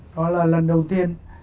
đó là lần đầu tiên